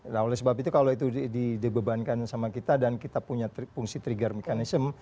nah oleh sebab itu kalau itu dibebankan sama kita dan kita punya fungsi trigger mechanism